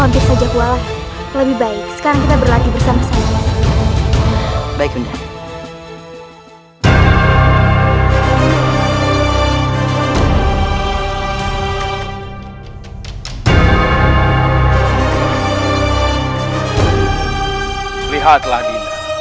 pernahkah raka berpikir ke arah sana